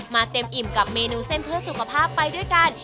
เต็มอิ่มกับเมนูเส้นเพื่อสุขภาพไปด้วยกัน